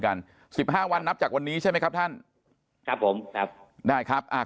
กันสิบห้าวันนับจากวันนี้ใช่ไหมครับท่านครับผมครับได้ครับอ่า